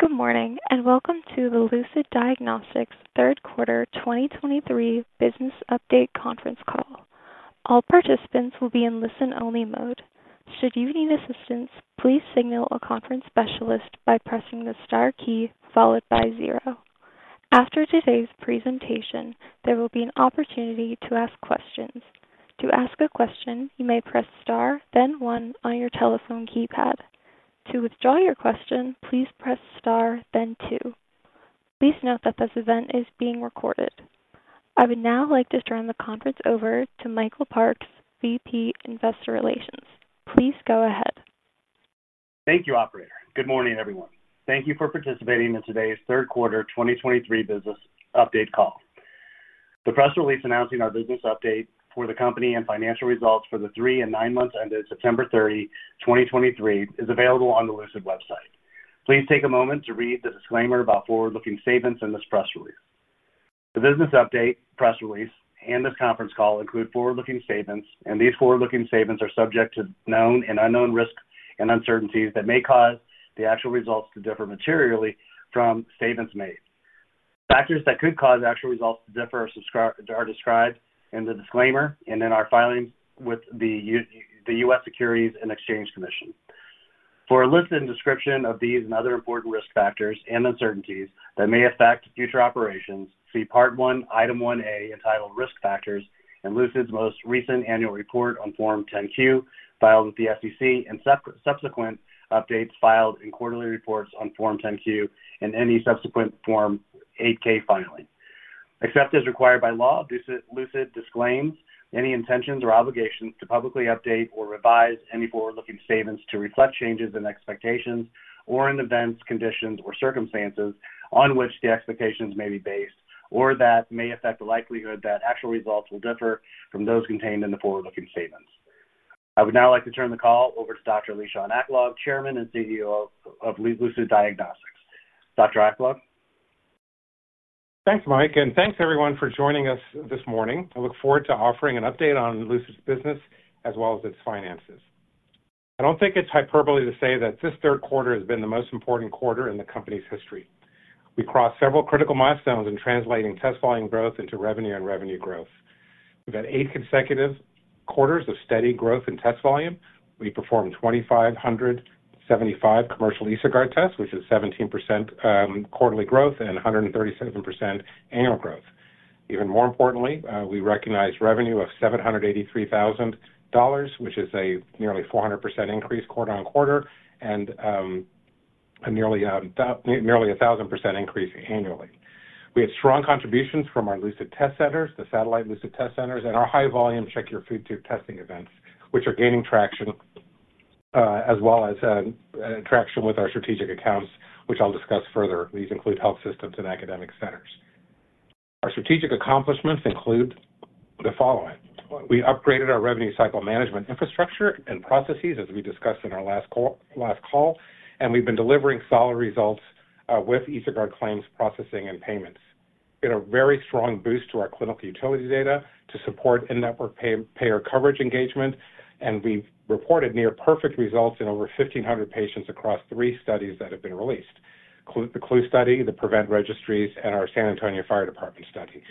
Good morning, and welcome to the Lucid Diagnostics Third Quarter 2023 Business Update Conference Call. All participants will be in listen-only mode. Should you need assistance, please signal a conference specialist by pressing the star key followed by zero. After today's presentation, there will be an opportunity to ask questions. To ask a question, you may press star then one on your telephone keypad. To withdraw your question, please press star then two. Please note that this event is being recorded. I would now like to turn the conference over to Michael Parks, VP, Investor Relations. Please go ahead. Thank you, operator. Good morning, everyone. Thank you for participating in today's third quarter 2023 business update call. The press release announcing our business update for the company and financial results for the three and nine months ended September 30, 2023, is available on the Lucid website. Please take a moment to read the disclaimer about forward-looking statements in this press release. The business update, press release, and this conference call include forward-looking statements, and these forward-looking statements are subject to known and unknown risks and uncertainties that may cause the actual results to differ materially from statements made. Factors that could cause actual results to differ are described in the disclaimer and in our filings with the U.S. Securities and Exchange Commission. For a list and description of these and other important risk factors and uncertainties that may affect future operations, see Part 1, Item 1A, entitled Risk Factors, in Lucid's most recent annual report on Form 10-K, filed with the SEC, and subsequent updates filed in quarterly reports on Form 10-Q and any subsequent Form 8-K filing. Except as required by law, Lucid disclaims any intentions or obligations to publicly update or revise any forward-looking statements to reflect changes in expectations or in events, conditions, or circumstances on which the expectations may be based, or that may affect the likelihood that actual results will differ from those contained in the forward-looking statements. I would now like to turn the call over to Dr. Lishan Aklog, Chairman and CEO of Lucid Diagnostics. Dr. Aklog? Thanks, Mike, and thanks everyone for joining us this morning. I look forward to offering an update on Lucid's business as well as its finances. I don't think it's hyperbole to say that this third quarter has been the most important quarter in the company's history. We crossed several critical milestones in translating test volume growth into revenue and revenue growth. We've had eight consecutive quarters of steady growth in test volume. We performed 2,575 commercial EsoGuard tests, which is 17% quarterly growth and 137% annual growth. Even more importantly, we recognized revenue of $783,000, which is a nearly 400% increase quarter-over-quarter and nearly a 1,000% increase annually. We had strong contributions from our Lucid Test Centers, the satellite Lucid Test Centers, and our high-volume Check Your Food Tube testing events, which are gaining traction, as well as traction with our strategic accounts, which I'll discuss further. These include health systems and academic centers. Our strategic accomplishments include the following: We upgraded our revenue cycle management infrastructure and processes, as we discussed in our last call, and we've been delivering solid results, with EsoGuard claims, processing, and payments. We had a very strong boost to our clinical utility data to support in-network payer coverage engagement, and we've reported near-perfect results in over 1,500 patients across three studies that have been released. The CLUE Study, the PREVENT Registry, and our San Antonio Fire Department Study.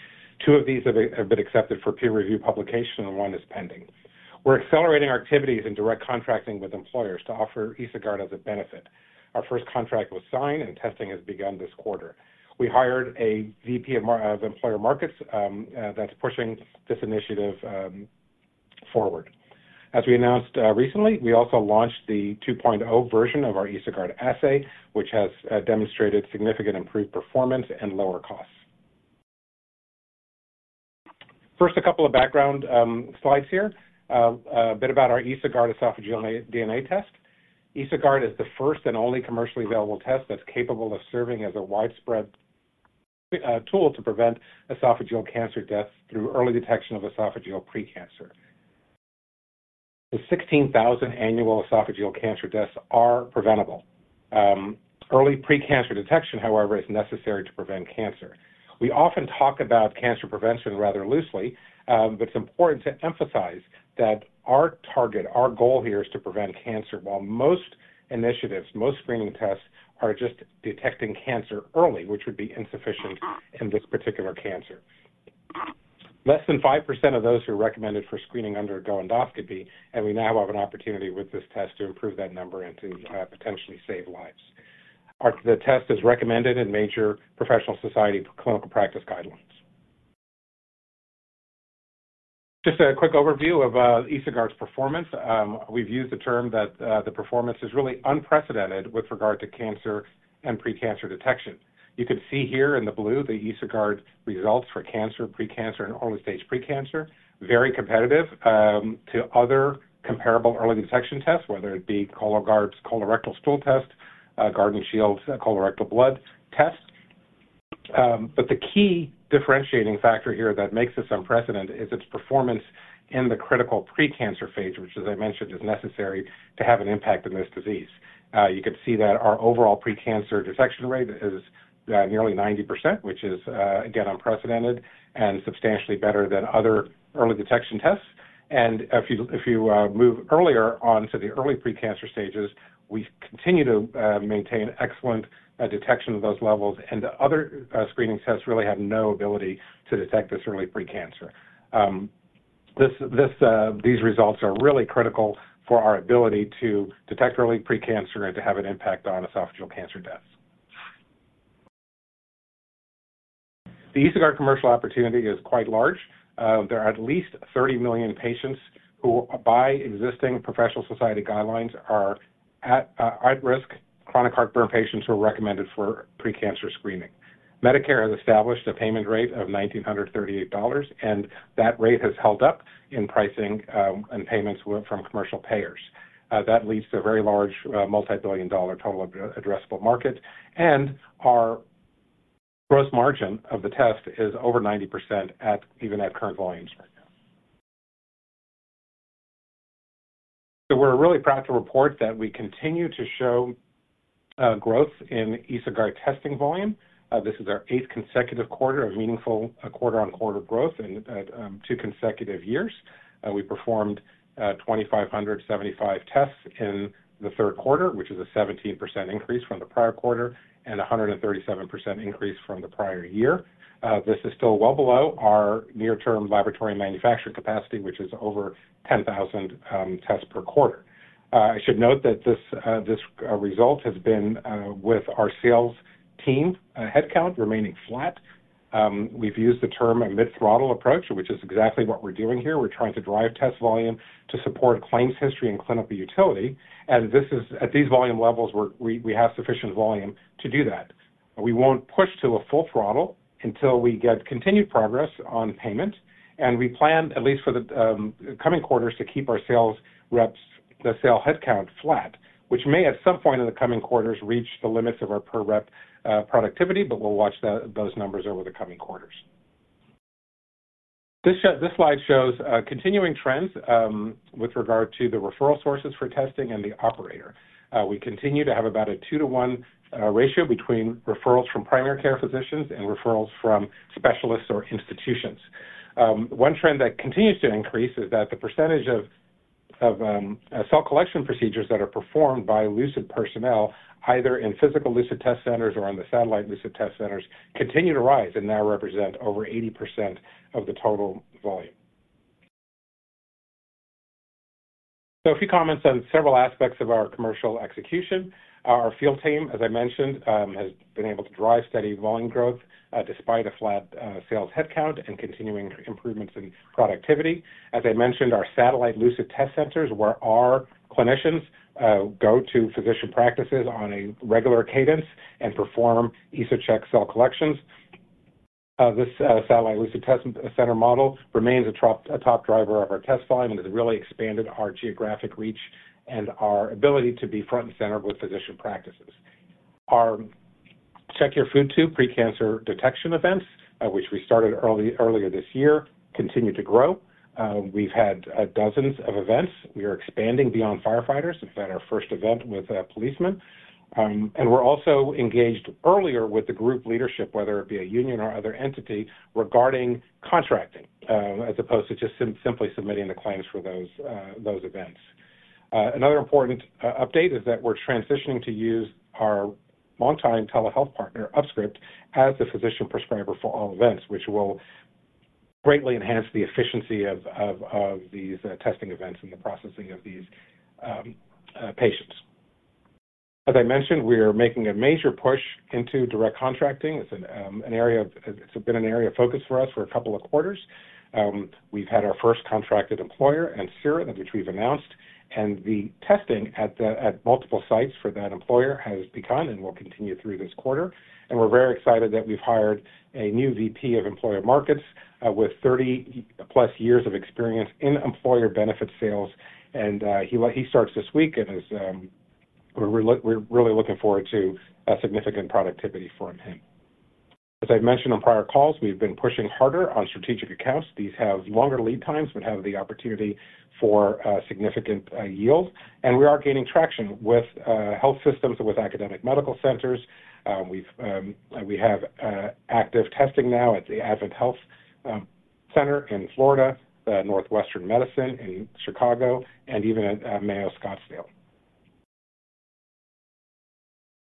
Two of these have been accepted for peer review publication, and one is pending. We're accelerating our activities in direct contracting with employers to offer EsoGuard as a benefit. Our first contract was signed, and testing has begun this quarter. We hired a VP of Employer Markets that's pushing this initiative forward. As we announced recently, we also launched the 2.0 version of our EsoGuard assay, which has demonstrated significant improved performance and lower costs. First, a couple of background slides here. A bit about our EsoGuard esophageal DNA test. EsoGuard is the first and only commercially available test that's capable of serving as a widespread tool to prevent esophageal cancer deaths through early detection of esophageal pre-cancer. The 16,000 annual esophageal cancer deaths are preventable. Early pre-cancer detection, however, is necessary to prevent cancer. We often talk about cancer prevention rather loosely, but it's important to emphasize that our target, our goal here, is to prevent cancer, while most initiatives, most screening tests, are just detecting cancer early, which would be insufficient in this particular cancer. Less than 5% of those who are recommended for screening undergo endoscopy, and we now have an opportunity with this test to improve that number and to potentially save lives. The test is recommended in major professional society clinical practice guidelines. Just a quick overview of EsoGuard's performance. We've used the term that the performance is really unprecedented with regard to cancer and pre-cancer detection. You can see here in the blue, the EsoGuard results for cancer, pre-cancer, and early-stage pre-cancer. Very competitive to other comparable early detection tests, whether it be Cologuard's colorectal stool test, Guardant Health's colorectal blood test. But the key differentiating factor here that makes this unprecedented is its performance in the critical pre-cancer phase, which, as I mentioned, is necessary to have an impact in this disease. You can see that our overall pre-cancer detection rate is nearly 90%, which is, again, unprecedented and substantially better than other early detection tests.... And if you move earlier on to the early pre-cancer stages, we continue to maintain excellent detection of those levels, and the other screening tests really have no ability to detect this early pre-cancer. These results are really critical for our ability to detect early pre-cancer and to have an impact on esophageal cancer deaths. The EsoGuard commercial opportunity is quite large. There are at least 30 million patients who, by existing professional society guidelines, are at risk, chronic heartburn patients who are recommended for pre-cancer screening. Medicare has established a payment rate of $1,938, and that rate has held up in pricing and payments from commercial payers. That leads to a very large, multi-billion-dollar total addressable market, and our gross margin of the test is over 90% even at current volumes right now. So we're really proud to report that we continue to show growth in EsoGuard testing volume. This is our eighth consecutive quarter of meaningful, quarter-on-quarter growth in two consecutive years. We performed 2,575 tests in the third quarter, which is a 17% increase from the prior quarter and a 137% increase from the prior year. This is still well below our near-term laboratory manufacturing capacity, which is over 10,000 tests per quarter. I should note that this result has been with our sales team headcount remaining flat. We've used the term a mid-throttle approach, which is exactly what we're doing here. We're trying to drive test volume to support claims history and clinical utility. And this is, at these volume levels, we have sufficient volume to do that. We won't push to a full throttle until we get continued progress on payment, and we plan, at least for the coming quarters, to keep our sales reps, the sales headcount flat, which may, at some point in the coming quarters, reach the limits of our per rep productivity, but we'll watch those numbers over the coming quarters. This slide shows continuing trends with regard to the referral sources for testing and the operator. We continue to have about a 2-to-1 ratio between referrals from primary care physicians and referrals from specialists or institutions. One trend that continues to increase is that the percentage of cell collection procedures that are performed by Lucid personnel, either in physical Lucid Test Centers or on the satellite Lucid Test Centers, continue to rise and now represent over 80% of the total volume. A few comments on several aspects of our commercial execution. Our field team, as I mentioned, has been able to drive steady volume growth, despite a flat sales headcount and continuing improvements in productivity. As I mentioned, our satellite Lucid Test Centers, where our clinicians go to physician practices on a regular cadence and perform EsoCheck cell collections. This satellite Lucid test center model remains a top driver of our test volume and has really expanded our geographic reach and our ability to be front and center with physician practices. Our Check Your Food Tube pre-cancer detection events, which we started earlier this year, continue to grow. We've had dozens of events. We are expanding beyond firefighters. We've had our first event with policemen. We're also engaged earlier with the group leadership, whether it be a union or other entity, regarding contracting, as opposed to just simply submitting the claims for those events. Another important update is that we're transitioning to use our longtime telehealth partner, UpScript, as the physician prescriber for all events, which will greatly enhance the efficiency of these testing events and the processing of these patients. As I mentioned, we are making a major push into direct contracting. It's an area of... It's been an area of focus for us for a couple of quarters. We've had our first contracted employer, Ancira, which we've announced, and the testing at multiple sites for that employer has begun and will continue through this quarter. We're very excited that we've hired a new VP of employer markets, with 30+ years of experience in employer benefit sales, and he starts this week and we're really looking forward to a significant productivity from him. As I've mentioned on prior calls, we've been pushing harder on strategic accounts. These have longer lead times but have the opportunity for significant yield, and we are gaining traction with health systems, with academic medical centers. We have active testing now at the AdventHealth Center in Florida, the Northwestern Medicine in Chicago, and even at Mayo Clinic Scottsdale.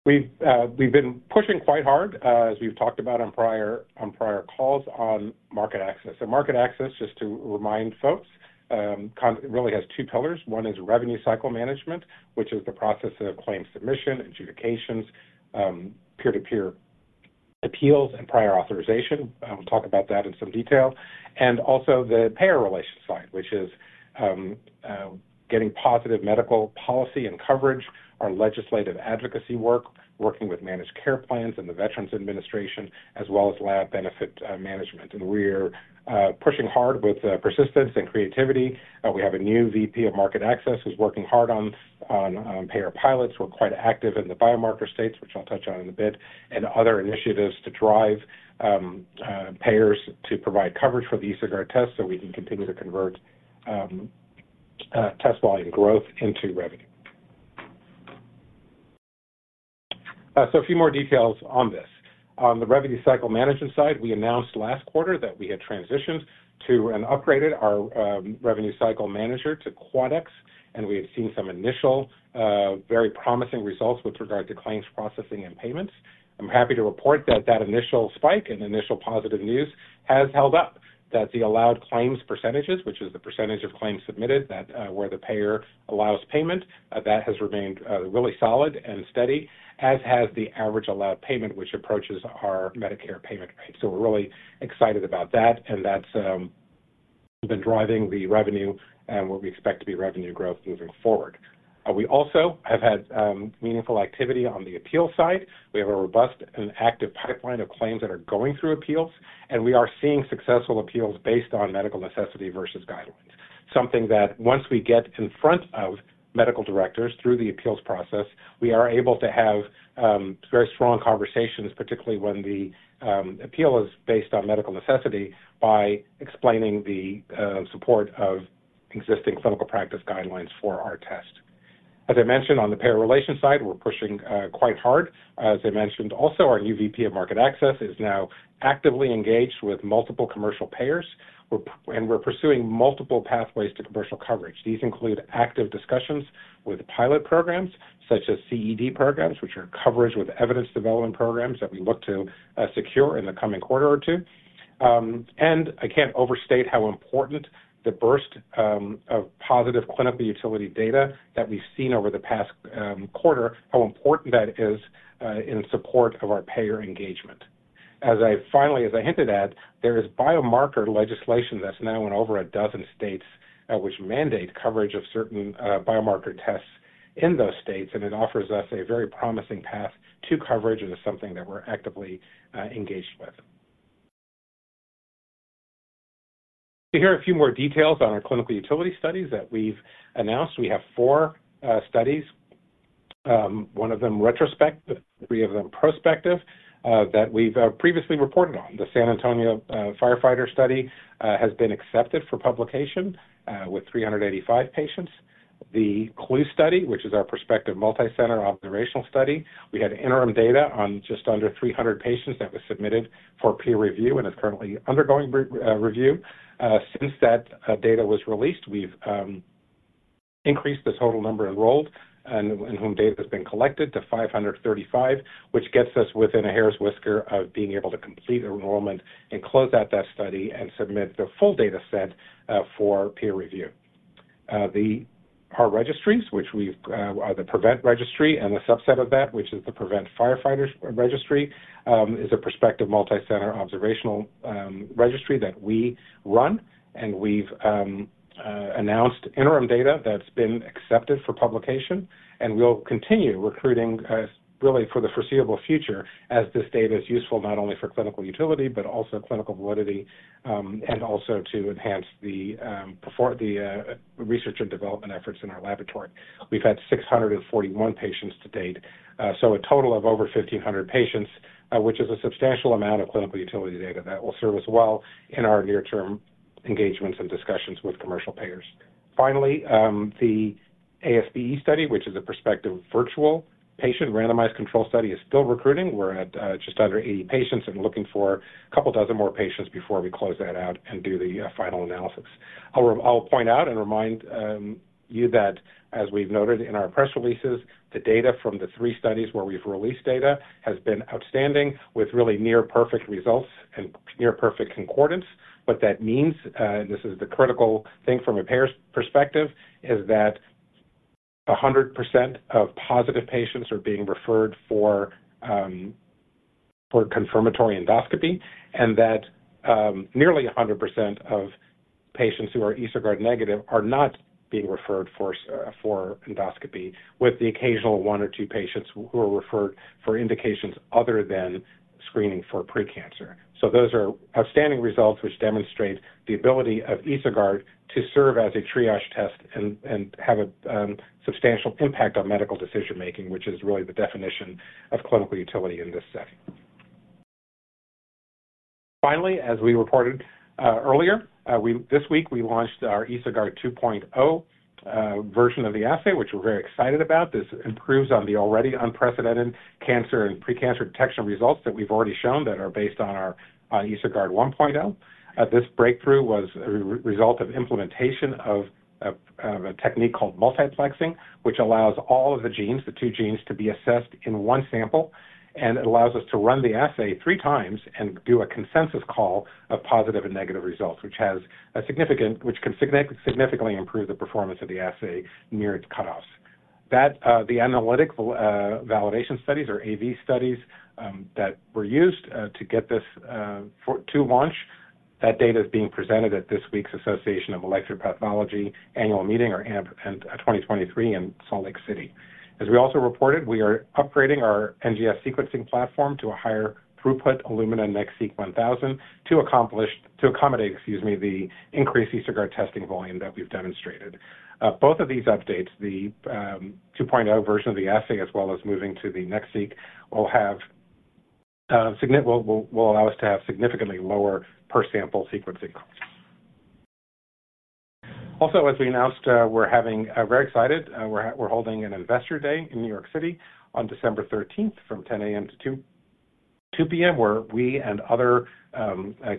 We've been pushing quite hard, as we've talked about on prior calls on market access. So market access, just to remind folks, kind of really has two pillars. One is revenue cycle management, which is the process of claims submission, adjudications, peer-to-peer appeals, and prior authorization. I'll talk about that in some detail. And also the payer relations side, which is getting positive medical policy and coverage, our legislative advocacy work, working with managed care plans and the Veterans Administration, as well as lab benefit management. And we're pushing hard with persistence and creativity. We have a new VP of market access, who's working hard on payer pilots. We're quite active in the biomarker states, which I'll touch on in a bit, and other initiatives to drive payers to provide coverage for the EsoGuard test, so we can continue to convert test volume growth into revenue.... So a few more details on this. On the revenue cycle management side, we announced last quarter that we had transitioned to and upgraded our revenue cycle manager to Quadax, and we have seen some initial very promising results with regard to claims processing and payments. I'm happy to report that that initial spike and initial positive news has held up. That the allowed claims percentages, which is the percentage of claims submitted, that where the payer allows payment, that has remained really solid and steady, as has the average allowed payment, which approaches our Medicare payment rate. So we're really excited about that, and that's been driving the revenue and what we expect to be revenue growth moving forward. We also have had meaningful activity on the appeals side. We have a robust and active pipeline of claims that are going through appeals, and we are seeing successful appeals based on medical necessity versus guidelines. Something that once we get in front of medical directors through the appeals process, we are able to have very strong conversations, particularly when the appeal is based on medical necessity, by explaining the support of existing clinical practice guidelines for our test. As I mentioned, on the payer relations side, we're pushing quite hard. As I mentioned also, our new VP of Market Access is now actively engaged with multiple commercial payers. And we're pursuing multiple pathways to commercial coverage. These include active discussions with pilot programs such as CED programs, which are coverage with evidence development programs that we look to secure in the coming quarter or two. I can't overstate how important the burst of positive clinical utility data that we've seen over the past quarter, how important that is in support of our payer engagement. As I finally, as I hinted at, there is biomarker legislation that's now in over a dozen states, which mandate coverage of certain biomarker tests in those states, and it offers us a very promising path to coverage, and it's something that we're actively engaged with. Here are a few more details on our clinical utility studies that we've announced. We have 4 studies, 1 of them retrospective, 3 of them prospective, that we've previously reported on. The San Antonio Firefighter Study has been accepted for publication with 385 patients. The CLUE Study, which is our prospective multicenter observational study, we had interim data on just under 300 patients that was submitted for peer review and is currently undergoing review. Since that data was released, we've increased the total number enrolled and in whom data has been collected to 535, which gets us within a hair's whisker of being able to complete enrollment and close out that study and submit the full data set for peer review. Our registries, which we've are the PREVENT Registry and a subset of that, which is the PREVENT Firefighters Registry, is a prospective multicenter observational registry that we run, and we've announced interim data that's been accepted for publication, and we'll continue recruiting really for the foreseeable future, as this data is useful not only for clinical utility, but also clinical validity, and also to enhance the research and development efforts in our laboratory. We've had 641 patients to date, so a total of over 1,500 patients, which is a substantial amount of clinical utility data that will serve us well in our near-term engagements and discussions with commercial payers. Finally, the VIP Study, which is a prospective virtual patient randomized control study, is still recruiting. We're at just under 80 patients and looking for a couple dozen more patients before we close that out and do the final analysis. I'll point out and remind you that as we've noted in our press releases, the data from the three studies where we've released data has been outstanding, with really near perfect results and near perfect concordance. What that means, and this is the critical thing from a payer's perspective, is that 100% of positive patients are being referred for confirmatory endoscopy, and that nearly 100% of patients who are EsoGuard negative are not being referred for endoscopy, with the occasional one or two patients who are referred for indications other than screening for pre-cancer. So those are outstanding results, which demonstrate the ability of EsoGuard to serve as a triage test and have a substantial impact on medical decision-making, which is really the definition of clinical utility in this setting. Finally, as we reported earlier, this week, we launched our EsoGuard 2.0 version of the assay, which we're very excited about. This improves on the already unprecedented cancer and pre-cancer detection results that we've already shown that are based on our EsoGuard 1.0. This breakthrough was a result of implementation of a technique called multiplexing, which allows all of the genes, the two genes, to be assessed in one sample. It allows us to run the assay three times and do a consensus call of positive and negative results, which has a significant, which can significantly improve the performance of the assay near its cutoffs. The analytical validation studies or AV studies that were used to get this for to launch, that data is being presented at this week's Association for Molecular Pathology Annual Meeting, or AMP 2023 in Salt Lake City. As we also reported, we are upgrading our NGS sequencing platform to a higher throughput Illumina NextSeq 1000 to accommodate the increased EsoGuard testing volume that we've demonstrated. Both of these updates, the 2.0 version of the assay, as well as moving to the NextSeq, will allow us to have significantly lower per-sample sequencing costs.... Also, as we announced, we're very excited. We're holding an Investor Day in New York City on December thirteenth, from 10AM-2 PM, where we and other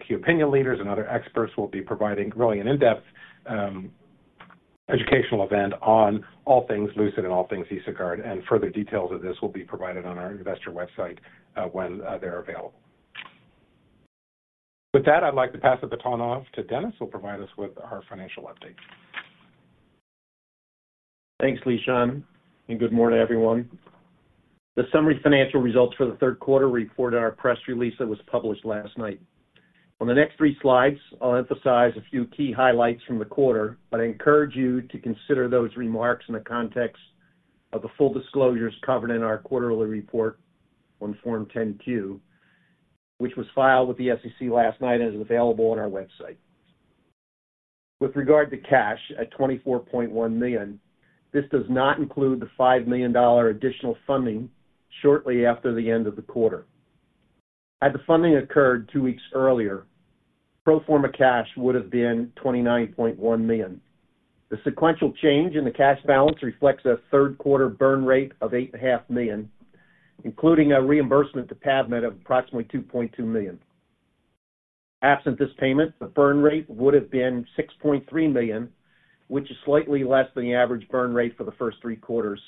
key opinion leaders and other experts will be providing really an in-depth educational event on all things Lucid and all things EsoGuard, and further details of this will be provided on our investor website when they're available. With that, I'd like to pass the baton off to Dennis, who'll provide us with our financial update. Thanks, Lishan, and good morning, everyone. The summary financial results for the third quarter are reported in our press release that was published last night. On the next three slides, I'll emphasize a few key highlights from the quarter, but I encourage you to consider those remarks in the context of the full disclosures covered in our quarterly report on Form 10-Q, which was filed with the SEC last night and is available on our website. With regard to cash at $24.1 million, this does not include the $5 million additional funding shortly after the end of the quarter. Had the funding occurred two weeks earlier, pro forma cash would have been $29.1 million. The sequential change in the cash balance reflects a third quarter burn rate of $8.5 million, including a reimbursement to PAVmed of approximately $2.2 million. Absent this payment, the burn rate would have been $6.3 million, which is slightly less than the average burn rate for the first three quarters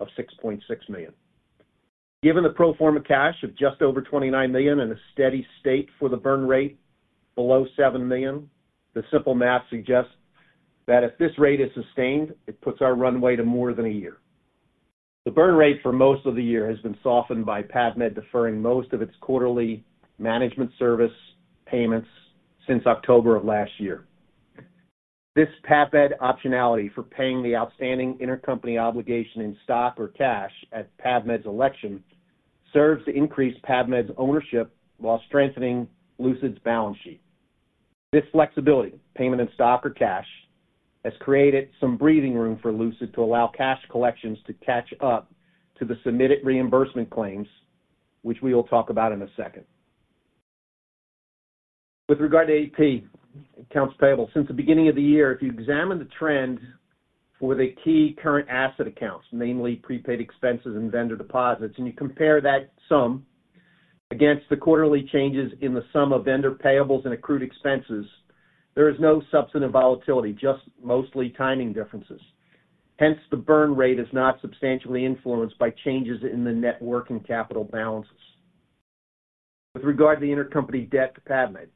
of $6.6 million. Given the pro forma cash of just over $29 million and a steady state for the burn rate below $7 million, the simple math suggests that if this rate is sustained, it puts our runway to more than a year. The burn rate for most of the year has been softened by PAVmed deferring most of its quarterly management service payments since October of last year. This PAVmed optionality for paying the outstanding intercompany obligation in stock or cash at PAVmed's election, serves to increase PAVmed's ownership while strengthening Lucid's balance sheet. This flexibility, payment in stock or cash, has created some breathing room for Lucid to allow cash collections to catch up to the submitted reimbursement claims, which we will talk about in a second. With regard to AP, accounts payable, since the beginning of the year, if you examine the trend for the key current asset accounts, mainly prepaid expenses and vendor deposits, and you compare that sum against the quarterly changes in the sum of vendor payables and accrued expenses, there is no substantive volatility, just mostly timing differences. Hence, the burn rate is not substantially influenced by changes in the net working capital balances. With regard to the intercompany debt to PAVmed,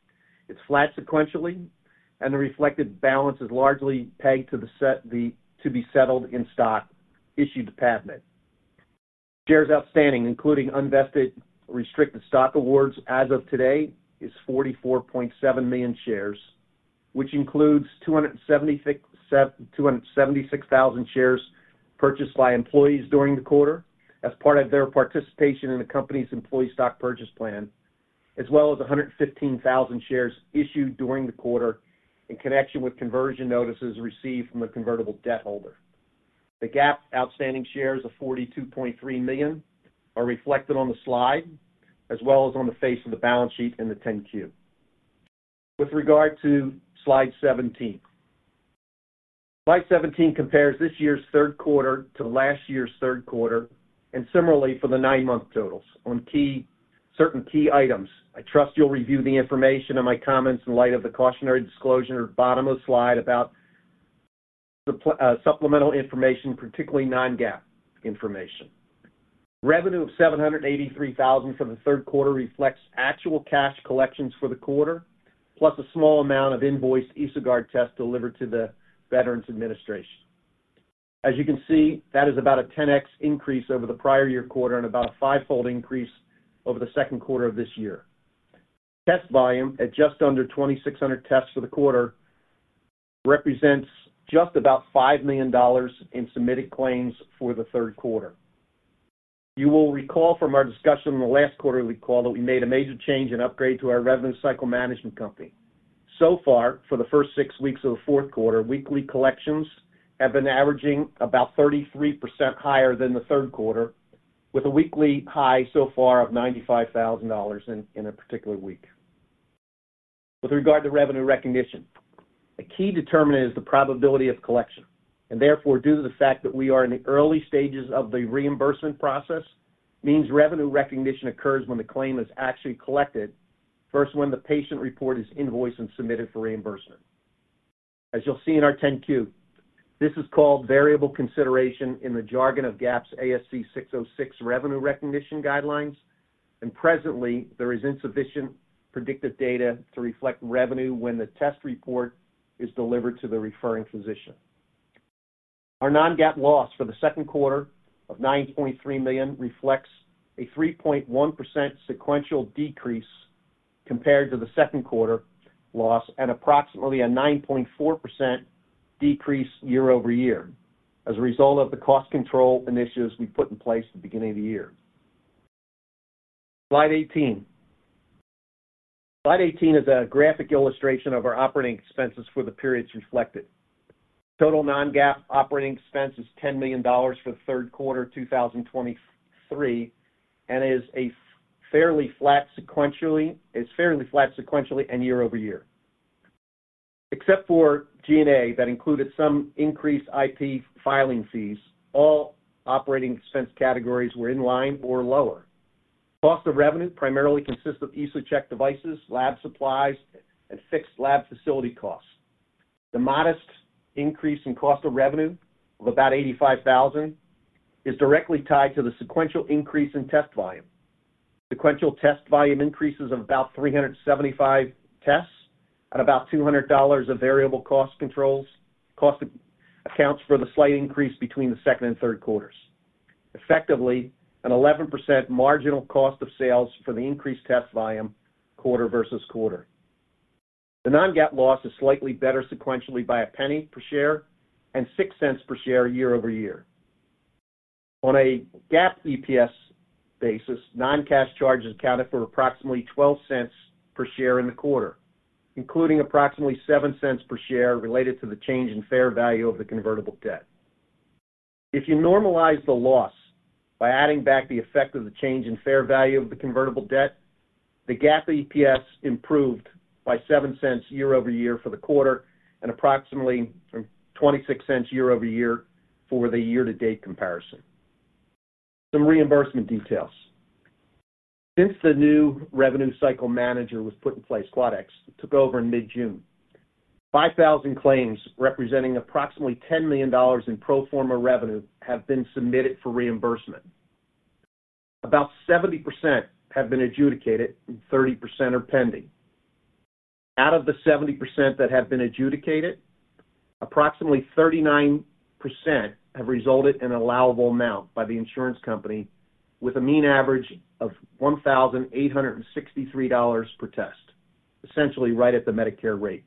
it's flat sequentially, and the reflected balance is largely to be settled in stock issued to PAVmed. Shares outstanding, including unvested restricted stock awards, as of today, is 44.7 million shares, which includes 276,000 shares purchased by employees during the quarter as part of their participation in the company's employee stock purchase plan, as well as 115,000 shares issued during the quarter in connection with conversion notices received from a convertible debt holder. The GAAP outstanding shares of 42.3 million are reflected on the slide, as well as on the face of the balance sheet in the 10-Q. With regard to slide 17. Slide 17 compares this year's third quarter to last year's third quarter, and similarly for the nine-month totals on certain key items. I trust you'll review the information in my comments in light of the cautionary disclosure at the bottom of the slide about supplemental information, particularly non-GAAP information. Revenue of $783,000 for the third quarter reflects actual cash collections for the quarter, plus a small amount of invoiced EsoGuard tests delivered to the Veterans Administration. As you can see, that is about a 10x increase over the prior year quarter and about a five-fold increase over the second quarter of this year. Test volume at just under 2,600 tests for the quarter represents just about $5 million in submitted claims for the third quarter. You will recall from our discussion in the last quarter, that we made a major change and upgrade to our revenue cycle management company. So far, for the first six weeks of the fourth quarter, weekly collections have been averaging about 33% higher than the third quarter, with a weekly high so far of $95,000 in a particular week. With regard to revenue recognition, a key determinant is the probability of collection, and therefore, due to the fact that we are in the early stages of the reimbursement process, means revenue recognition occurs when the claim is actually collected, first when the patient report is invoiced and submitted for reimbursement. As you'll see in our 10-Q, this is called variable consideration in the jargon of GAAP's ASC 606 revenue recognition guidelines, and presently, there is insufficient predictive data to reflect revenue when the test report is delivered to the referring physician. Our non-GAAP loss for the second quarter of $9.3 million reflects a 3.1% sequential decrease compared to the second quarter loss, and approximately a 9.4% decrease year-over-year, as a result of the cost control initiatives we put in place at the beginning of the year. Slide 18. Slide 18 is a graphic illustration of our operating expenses for the periods reflected. Total non-GAAP operating expense is $10 million for the third quarter 2023 and is a fairly flat sequentially and year-over-year. Except for G&A, that included some increased IP filing fees, all operating expense categories were in line or lower. Cost of revenue primarily consists of EsoCheck devices, lab supplies, and fixed lab facility costs. The modest increase in cost of revenue of about $85,000 is directly tied to the sequential increase in test volume. Sequential test volume increases of about 375 tests at about $200 of variable cost controls, cost accounts for the slight increase between the second and third quarters. Effectively, an 11% marginal cost of sales for the increased test volume quarter-over-quarter. The non-GAAP loss is slightly better sequentially by $0.01 per share and $0.06 per share year-over-year. On a GAAP EPS basis, non-cash charges accounted for approximately $0.12 per share in the quarter, including approximately $0.07 per share related to the change in fair value of the convertible debt. If you normalize the loss by adding back the effect of the change in fair value of the convertible debt, the GAAP EPS improved by $0.07 year-over-year for the quarter and approximately $0.26 year-over-year for the year-to-date comparison. Some reimbursement details. Since the new revenue cycle manager was put in place, Quadax took over in mid-June. 5,000 claims, representing approximately $10 million in pro forma revenue, have been submitted for reimbursement. About 70% have been adjudicated and 30% are pending. Out of the 70% that have been adjudicated, approximately 39% have resulted in allowable amount by the insurance company, with a mean average of $1,863 per test, essentially right at the Medicare payment rate.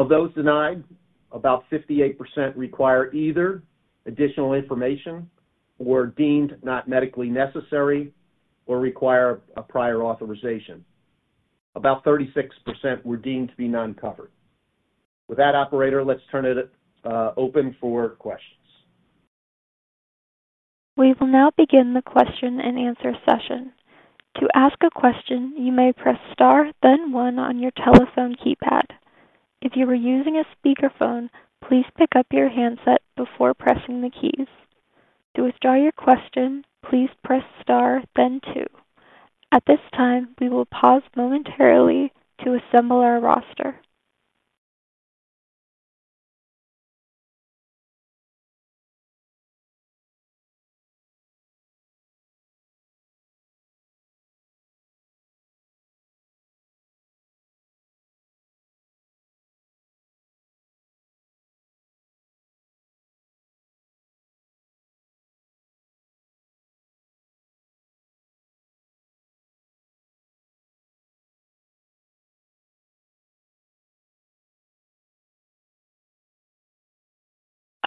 Of those denied, about 58% require either additional information or deemed not medically necessary or require a prior authorization. About 36% were deemed to be non-covered. With that, operator, let's turn it open for questions. We will now begin the question and answer session. To ask a question, you may press Star, then One on your telephone keypad. If you are using a speakerphone, please pick up your handset before pressing the keys. To withdraw your question, please press star then two. At this time, we will pause momentarily to assemble our roster.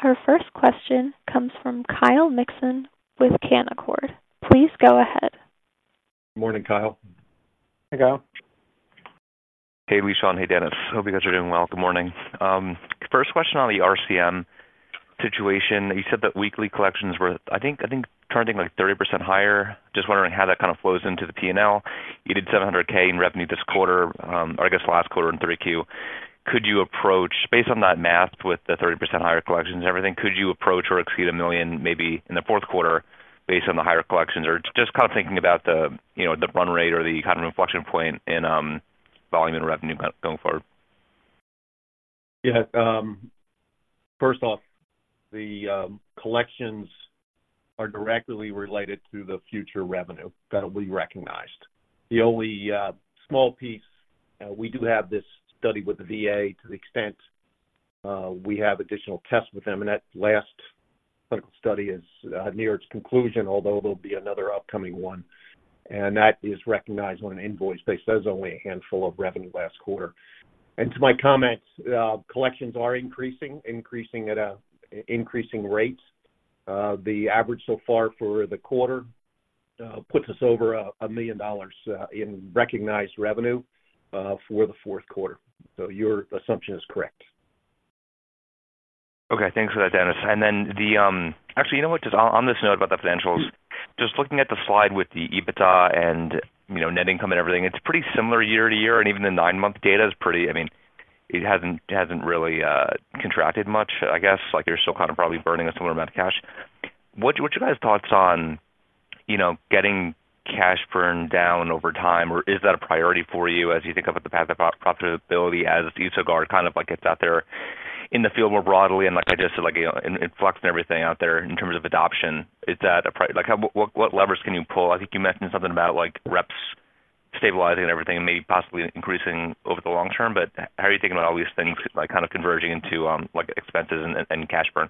Our first question comes from Kyle Mikson with Canaccord. Please go ahead. Morning, Kyle. Hey, Kyle. Hey, Lishan. Hey, Dennis. Hope you guys are doing well. Good morning. First question on the RCM situation. You said that weekly collections were, I think, I think, trending like 30% higher. Just wondering how that kind of flows into the PNL. You did $700K in revenue this quarter, or I guess last quarter in 3Q. Could you approach, based on that math, with the 30% higher collections and everything, could you approach or exceed $1 million maybe in the fourth quarter based on the higher collections? Or just kind of thinking about the, you know, the run rate or the kind of inflection point in volume and revenue going forward. Yeah. First off, the collections are directly related to the future revenue that will be recognized. The only small piece we do have this study with the VA to the extent we have additional tests with them, and that last clinical study is near its conclusion, although there'll be another upcoming one, and that is recognized on an invoice basis. There's only a handful of revenue last quarter. And to my comments, collections are increasing, increasing at a increasing rate. The average so far for the quarter puts us over $1 million in recognized revenue for the fourth quarter. So your assumption is correct. Okay, thanks for that, Dennis. Actually, you know what? Just on this note about the financials, just looking at the slide with the EBITDA and, you know, net income and everything, it's pretty similar year to year, and even the nine-month data is pretty—I mean, it hasn't really contracted much, I guess. Like, you're still kind of probably burning a similar amount of cash. What you guys thoughts on, you know, getting cash burn down over time? Or is that a priority for you as you think about the path of pro profitability as EsoGuard, kind of like, gets out there in the field more broadly, and like I just said, like, you know, influx and everything out there in terms of adoption? Like, what levers can you pull? I think you mentioned something about, like, reps stabilizing and everything and maybe possibly increasing over the long term, but how are you thinking about all these things, like, kind of converging into, like, expenses and, and cash burn?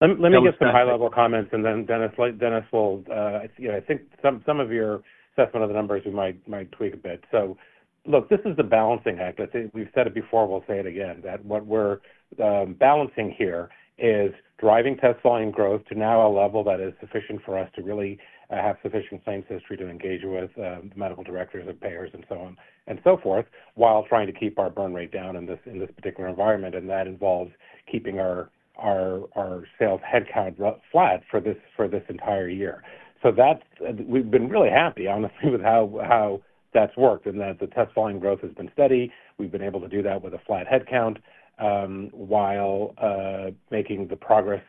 Let me give some high level comments and then Dennis, like, Dennis will, you know, I think some of your assessment of the numbers, we might tweak a bit. So look, this is a balancing act. I think we've said it before, and we'll say it again, that what we're balancing here is driving test volume growth to now a level that is sufficient for us to really have sufficient claims history to engage with medical directors and payers and so on, and so forth, while trying to keep our burn rate down in this particular environment. And that involves keeping our sales headcount flat for this entire year. So that's. We've been really happy, honestly, with how that's worked, and that the test volume growth has been steady. We've been able to do that with a flat headcount, while making the progress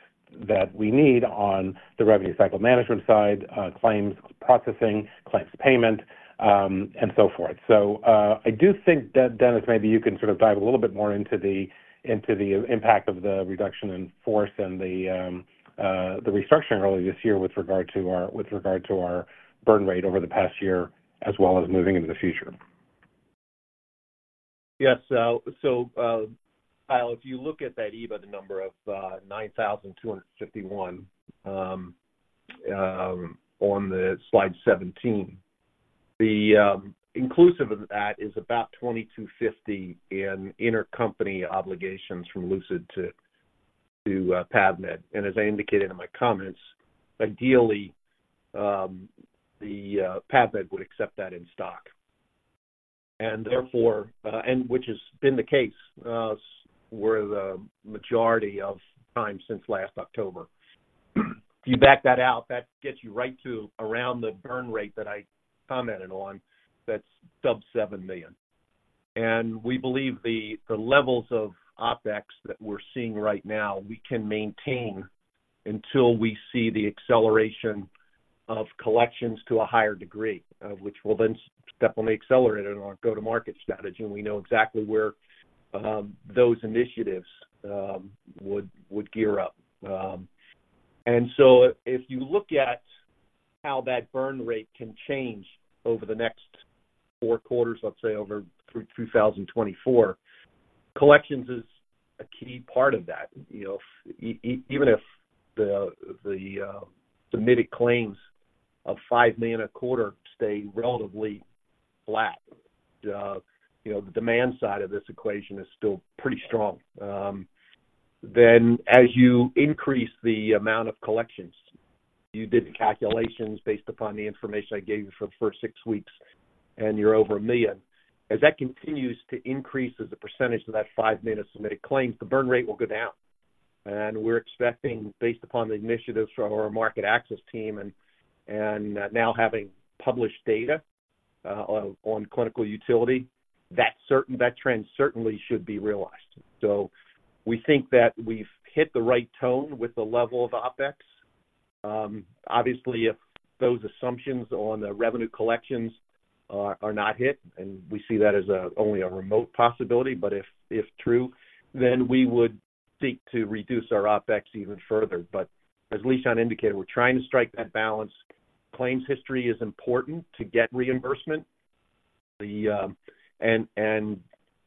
that we need on the revenue cycle management side, claims processing, claims payment, and so forth. So, I do think that, Dennis, maybe you can sort of dive a little bit more into the impact of the reduction in force and the restructuring earlier this year with regard to our burn rate over the past year, as well as moving into the future. Yes, Kyle, if you look at that EBITDA number of $9,251 on slide 17, inclusive of that is about $2,250 in intercompany obligations from Lucid to PAVmed. And as I indicated in my comments, ideally, the PAVmed would accept that in stock. And therefore, and which has been the case where the majority of time since last October. If you back that out, that gets you right to around the burn rate that I commented on, that's sub-$7 million. And we believe the levels of OpEx that we're seeing right now, we can maintain until we see the acceleration of collections to a higher degree, which will then definitely accelerate it on our go-to-market strategy, and we know exactly where those initiatives would gear up. And so if you look at how that burn rate can change over the next four quarters, let's say over through 2024, collections is a key part of that. You know, even if the submitted claims of $5 million a quarter stay relatively flat, you know, the demand side of this equation is still pretty strong. Then as you increase the amount of collections, you did the calculations based upon the information I gave you for the first six weeks, and you're over $1 million. As that continues to increase as a percentage of that 5 million of submitted claims, the burn rate will go down. We're expecting, based upon the initiatives from our market access team and now having published data on clinical utility, that trend certainly should be realized. So we think that we've hit the right tone with the level of OpEx. Obviously, if those assumptions on the revenue collections are not hit, and we see that as only a remote possibility, but if true, then we would seek to reduce our OpEx even further. But as Lishan indicated, we're trying to strike that balance. Claims history is important to get reimbursement.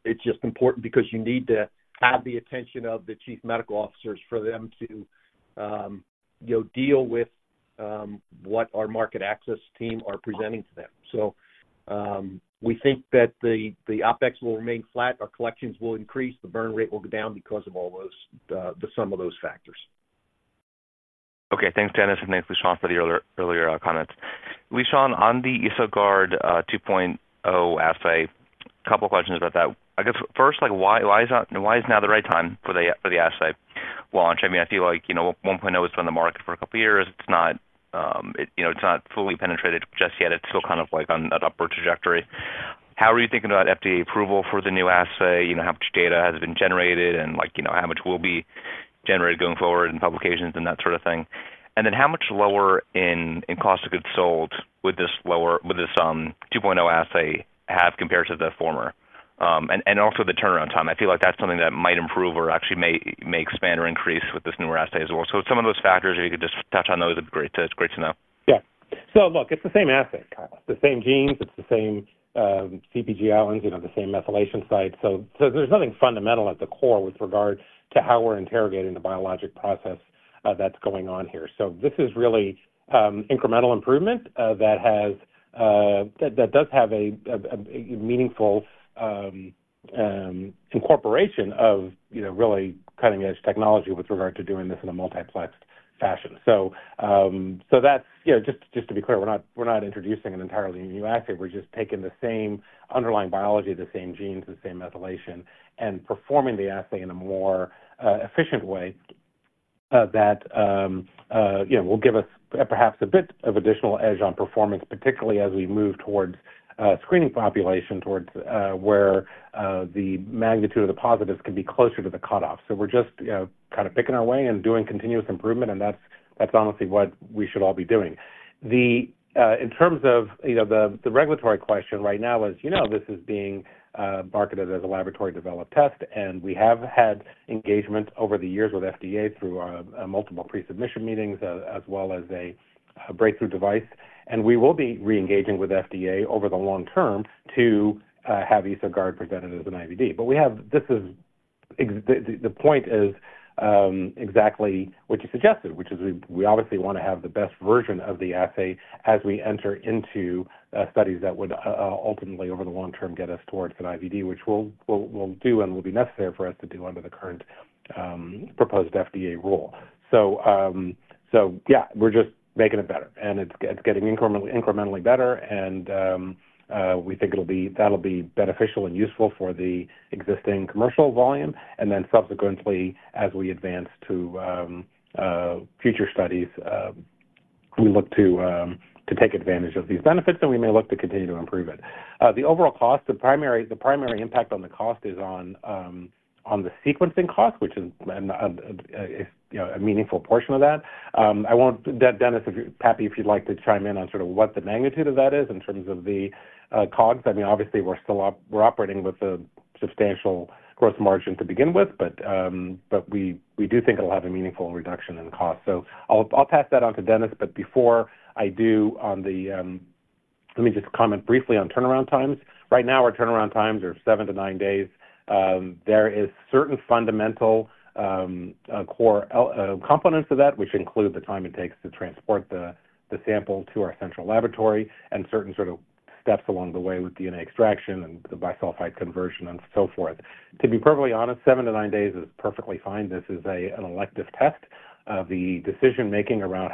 It's just important because you need to have the attention of the chief medical officers for them to, you know, deal with what our market access team are presenting to them. So, we think that the OpEx will remain flat, our collections will increase, the burn rate will go down because of all those, the sum of those factors. Okay, thanks, Dennis, and thanks, Lishan, for the earlier comments. Lishan, on the EsoGuard 2.0 assay, a couple of questions about that. I guess, first, like, why, why is that, why is now the right time for the, for the assay launch? I mean, I feel like, you know, 1.0 has been on the market for a couple of years. It's not, it, you know, it's not fully penetrated just yet. It's still kind of like on an upward trajectory. How are you thinking about FDA approval for the new assay? You know, how much data has been generated and, like, you know, how much will be generated going forward in publications and that sort of thing? And then how much lower in cost of goods sold would this 2.0 assay have compared to the former? And also the turnaround time. I feel like that's something that might improve or actually may expand or increase with this newer assay as well. So some of those factors, if you could just touch on those, it'd be great to, it's great to know. Yeah. So look, it's the same assay, Kyle. The same genes, it's the same CpG islands, you know, the same methylation site. So there's nothing fundamental at the core with regard to how we're interrogating the biologic process that's going on here. So this is really an incremental improvement that does have a meaningful incorporation of, you know, really cutting-edge technology with regard to doing this in a multiplexed fashion. So that's, you know, just to be clear, we're not introducing an entirely new assay. We're just taking the same underlying biology, the same genes, the same methylation, and performing the assay in a more efficient way that you know will give us perhaps a bit of additional edge on performance, particularly as we move towards screening population, towards where the magnitude of the positives can be closer to the cutoff. So we're just you know kind of picking our way and doing continuous improvement, and that's honestly what we should all be doing. In terms of you know the regulatory question right now, as you know, this is being marketed as a laboratory-developed test, and we have had engagement over the years with FDA through multiple pre-submission meetings, as well as a breakthrough device. And we will be reengaging with FDA over the long term to have EsoGuard presented as an IVD. But the point is exactly what you suggested, which is we obviously want to have the best version of the assay as we enter into studies that would ultimately, over the long term, get us towards an IVD, which we'll do and will be necessary for us to do under the current proposed FDA rule. So yeah, we're just making it better, and it's getting incrementally better and we think that'll be beneficial and useful for the existing commercial volume, and then subsequently, as we advance to future studies, we look to take advantage of these benefits, and we may look to continue to improve it. The overall cost, the primary impact on the cost is on the sequencing cost, which is, you know, a meaningful portion of that. I want, Dennis, if you're happy, if you'd like to chime in on sort of what the magnitude of that is in terms of the costs. I mean, obviously, we're still operating with a substantial gross margin to begin with, but, but we do think it'll have a meaningful reduction in cost. So I'll pass that on to Dennis, but before I do, let me just comment briefly on turnaround times. Right now, our turnaround times are seven to nine days. There is certain fundamental core components of that, which include the time it takes to transport the sample to our central laboratory and certain sort of steps along the way with DNA extraction and the bisulfite conversion and so forth. To be perfectly honest, 7-9 days is perfectly fine. This is an elective test. The decision-making around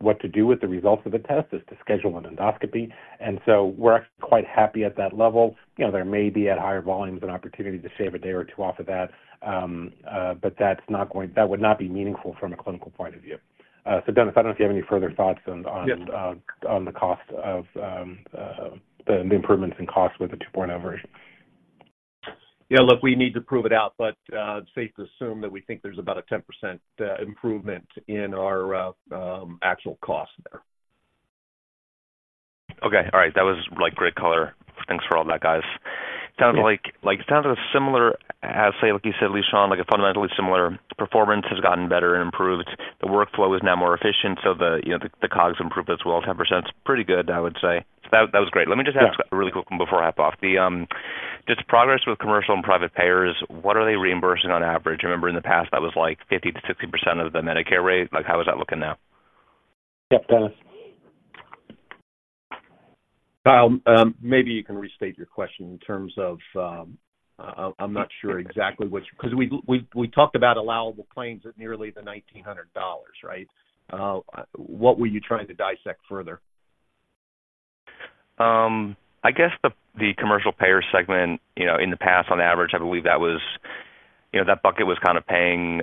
what to do with the results of the test is to schedule an endoscopy, and so we're quite happy at that level. You know, there may be, at higher volumes, an opportunity to shave a day or two off of that, but that would not be meaningful from a clinical point of view. So, Dennis, I don't know if you have any further thoughts on, on- Yes. on the cost of the improvements in cost with the 2.0 version. Yeah, look, we need to prove it out, but it's safe to assume that we think there's about a 10% improvement in our actual cost there. Okay, all right. That was, like, great color. Thanks for all that, guys. Sounds like sounds similar, as you said, Lishan, like a fundamentally similar performance has gotten better and improved. The workflow is now more efficient, so, you know, the COGS improve as well. 10% is pretty good, I would say. So that was great. Let me just ask a really quick one before I hop off. The just progress with commercial and private payers, what are they reimbursing on average? I remember in the past, that was, like, 50% to 60% of the Medicare rate. Like, how is that looking now? Yep, Dennis. Kyle, maybe you can restate your question in terms of, I'm not sure exactly which—because we talked about allowable claims at nearly $1,900, right? What were you trying to dissect further? I guess the commercial payer segment, you know, in the past, on average, I believe that was, you know, that bucket was kind of paying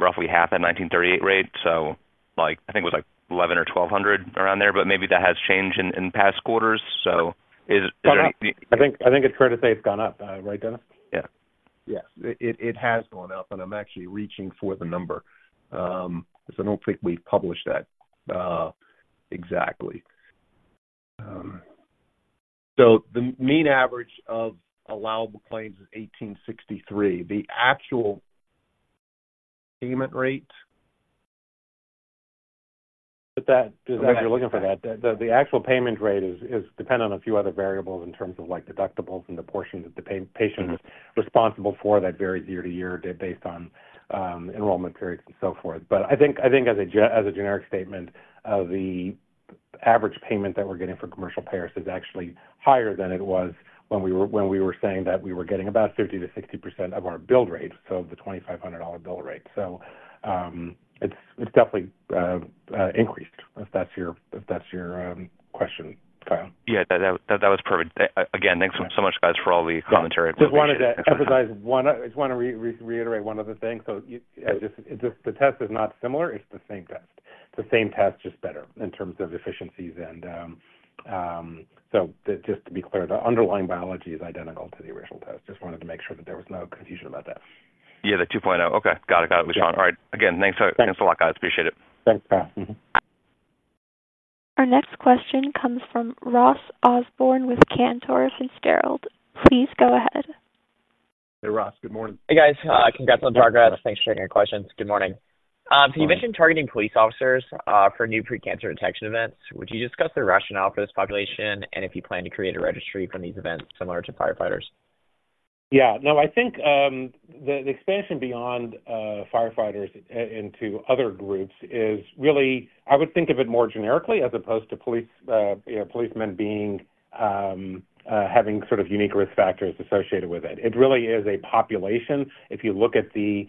roughly half at $1,938 rate, so like, I think it was like $1,100 to $1,200 around there, but maybe that has changed in past quarters. So is it- I think, I think it's fair to say it's gone up. Right, Dennis? Yes, it has gone up, and I'm actually reaching for the number, so I don't think we've published that exactly. So the mean average of allowable claims is $1,863. The actual payment rate... But that, as you're looking for that, the actual payment rate is dependent on a few other variables in terms of, like, deductibles and the portion that the patient is responsible for. That varies year to year based on enrollment periods and so forth. But I think as a generic statement, the average payment that we're getting from commercial payers is actually higher than it was when we were saying that we were getting about 50% to 60% of our bill rate, so the $2,500 bill rate. So, it's definitely increased, if that's your question, Kyle. Yeah, that was perfect. Again, thanks so much, guys, for all the commentary. Just wanted to emphasize one. I just want to reiterate one other thing. So, the test is not similar, it's the same test. The same test, just better in terms of efficiencies and, so just to be clear, the underlying biology is identical to the original test. Just wanted to make sure that there was no confusion about that. Yeah, the 2.0. Okay. Got it. Got it. Sean. All right. Again, thanks. Thanks. Thanks a lot, guys. Appreciate it. Thanks, Kyle. Our next question comes from Ross Osborne with Cantor Fitzgerald. Please go ahead. Hey, Ross. Good morning. Hey, guys. Congrats on progress. Thanks for sharing your questions. Good morning. Good morning. So you mentioned targeting police officers for new pre-cancer detection events. Would you discuss the rationale for this population and if you plan to create a registry from these events similar to firefighters? Yeah. No, I think, the expansion beyond firefighters into other groups is really, I would think of it more generically, as opposed to police, you know, policemen being having sort of unique risk factors associated with it. It really is a population. If you look at the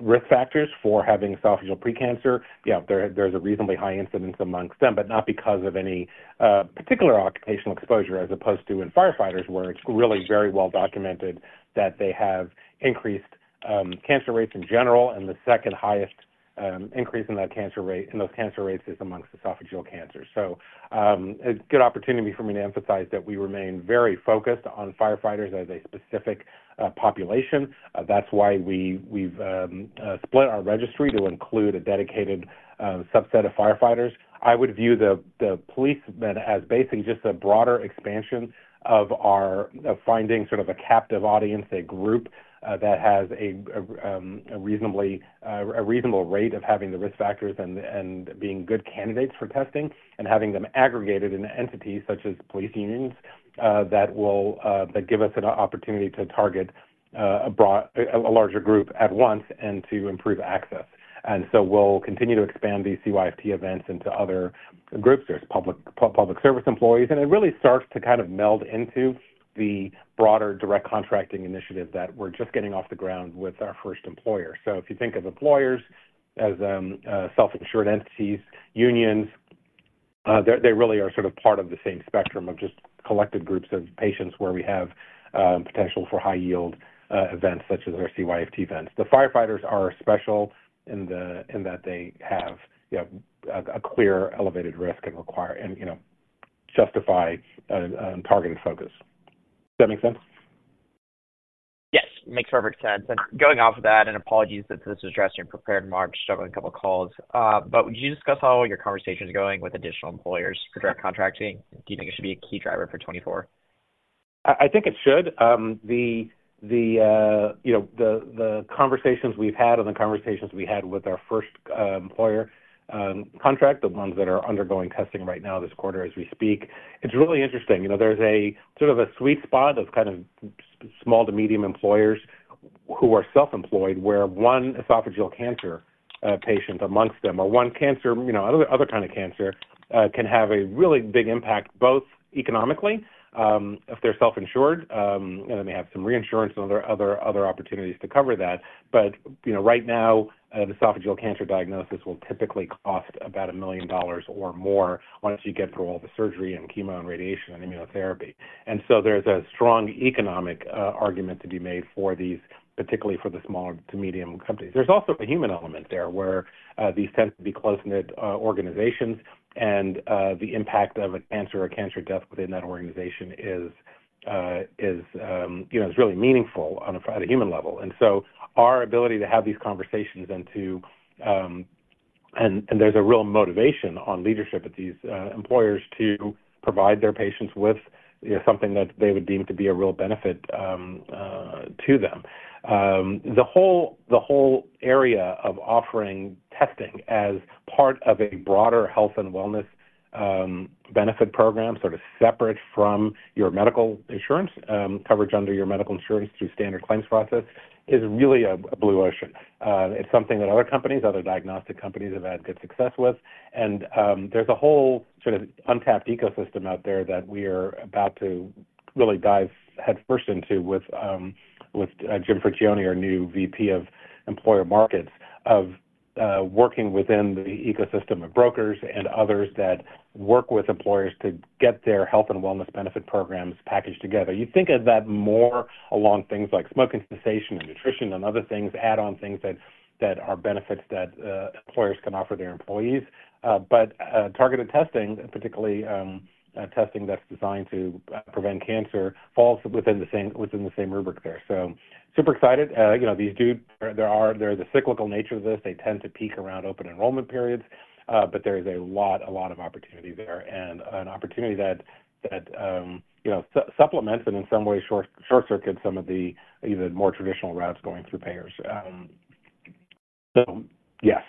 risk factors for having esophageal pre-cancer, yeah, there's a reasonably high incidence amongst them, but not because of any particular occupational exposure, as opposed to in firefighters, where it's really very well documented that they have increased cancer rates in general, and the second highest increase in that cancer rate, in those cancer rates, is amongst esophageal cancer. So, a good opportunity for me to emphasize that we remain very focused on firefighters as a specific population. That's why we've split our registry to include a dedicated subset of firefighters. I would view the policemen as basically just a broader expansion of our finding sort of a captive audience, a group that has a reasonable rate of having the risk factors and being good candidates for testing and having them aggregated in an entity such as police unions that will give us an opportunity to target a larger group at once and to improve access. So we'll continue to expand these CYFT events into other groups. There's public service employees, and it really starts to kind of meld into the broader direct contracting initiative that we're just getting off the ground with our first employer. So if you think of employers as self-insured entities, they really are sort of part of the same spectrum of just collected groups of patients where we have potential for high yield events such as our CYFT events. The firefighters are special in that they have a clear elevated risk and require, you know, justify a targeted focus. Does that make sense? Yes, makes perfect sense. And going off of that, and apologies that this is addressing your prepared remarks, struggling with a couple calls. But would you discuss how your conversation is going with additional employers for direct contracting? Do you think it should be a key driver for 2024? I think it should. The conversations we've had and the conversations we had with our first employer contract, the ones that are undergoing testing right now, this quarter as we speak, it's really interesting. You know, there's a sort of a sweet spot of kind of small to medium employers who are self-insured, where one esophageal cancer patient amongst them, or one cancer, you know, other kind of cancer, can have a really big impact, both economically, if they're self-insured, and then they have some reinsurance and other opportunities to cover that. But, you know, right now, the esophageal cancer diagnosis will typically cost about $1 million or more once you get through all the surgery and chemo and radiation and immunotherapy. And so there's a strong economic argument to be made for these, particularly for the smaller to medium companies. There's also a human element there, where these tend to be close-knit organizations, and the impact of a cancer or cancer death within that organization is, you know, really meaningful at a human level. And so our ability to have these conversations and there's a real motivation on leadership at these employers to provide their patients with, you know, something that they would deem to be a real benefit to them. The whole area of offering testing as part of a broader health and wellness benefit program, sort of separate from your medical insurance coverage under your medical insurance through standard claims process, is really a blue ocean. It's something that other companies, other diagnostic companies, have had good success with. And there's a whole sort of untapped ecosystem out there that we are about to really dive headfirst into with Jim Frachioni, our new VP of Employer Markets, working within the ecosystem of brokers and others that work with employers to get their health and wellness benefit programs packaged together. You think of that more along things like smoking cessation and nutrition and other things, add-on things that are benefits that employers can offer their employees. But targeted testing, particularly, testing that's designed to prevent cancer, falls within the same rubric there. So super excited. You know, there's a cyclical nature to this. They tend to peak around open enrollment periods, but there is a lot, a lot of opportunity there and an opportunity that, that, you know, supplements and in some ways, short, short-circuit some of the even more traditional routes going through payers. So yes,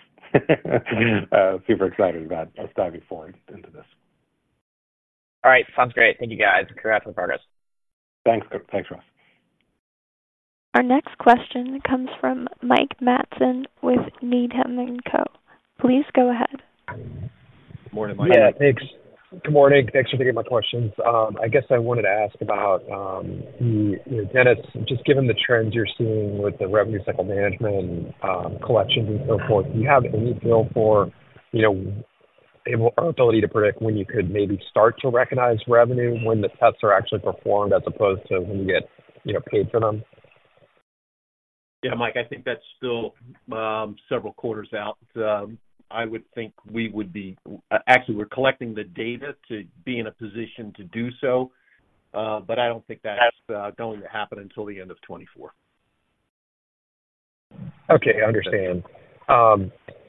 super excited about us diving forward into this. All right. Sounds great. Thank you, guys. Congrats on the progress. Thanks. Thanks, Ross. Our next question comes from Mike Matson with Needham & Company. Please go ahead. Good morning, Mike. Yeah, thanks. Good morning. Thanks for taking my questions. I guess I wanted to ask about, Dennis, just given the trends you're seeing with the revenue cycle management and, collections and so forth, do you have any feel for, you know, able or ability to predict when you could maybe start to recognize revenue when the tests are actually performed, as opposed to when you get, you know, paid for them? Yeah, Mike, I think that's still several quarters out. I would think we would be... Actually, we're collecting the data to be in a position to do so, but I don't think that's going to happen until the end of 2024. Okay, I understand.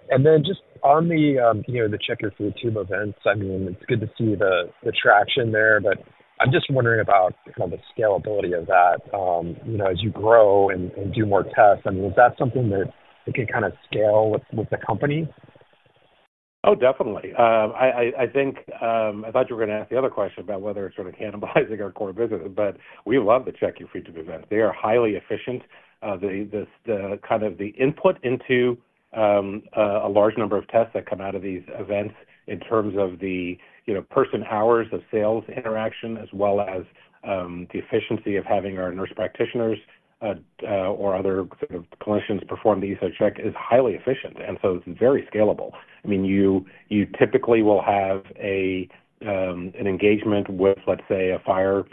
And then just on the, you know, the Check Your Food Tube events, I mean, it's good to see the traction there, but I'm just wondering about kind of the scalability of that, you know, as you grow and do more tests, I mean, is that something that it can kind of scale with the company? Oh, definitely. I think I thought you were going to ask the other question about whether it's sort of cannibalizing our core business, but we love the Check Your Food Tube event. They are highly efficient. The kind of input into a large number of tests that come out of these events in terms of, you know, person-hours of sales interaction, as well as the efficiency of having our nurse practitioners or other sort of clinicians perform the EsoCheck is highly efficient, and so it's very scalable. I mean, you typically will have an engagement with, let's say, a fire